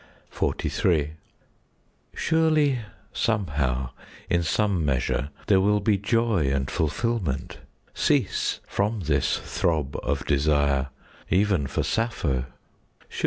XLIII Surely somehow, in some measure, There will be joy and fulfilment,— Cease from this throb of desire,— Even for Sappho!